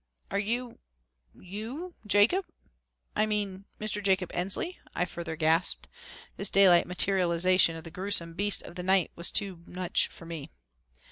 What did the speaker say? "Are you you Jacob I mean Mr. Jacob Ensley?" I further gasped. This daylight materialization of the grewsome beast of the night was too much for me.